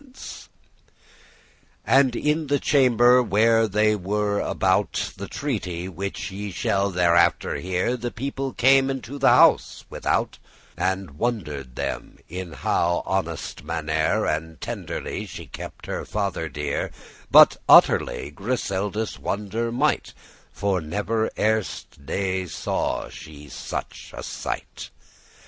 * *hearing And in the chamber while they were about The treaty, which ye shall hereafter hear, The people came into the house without, And wonder'd them in how honest mannere And tenderly she kept her father dear; But utterly Griseldis wonder might, For never erst* ne saw she such a sight.